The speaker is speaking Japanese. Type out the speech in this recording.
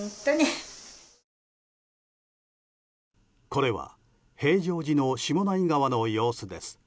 これは平常時の下内川の様子です。